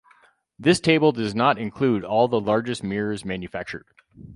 This table does not include all the largest mirrors manufactured.